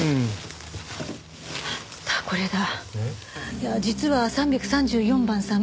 いや実は３３４番さん